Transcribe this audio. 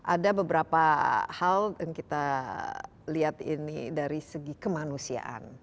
ada beberapa hal yang kita lihat ini dari segi kemanusiaan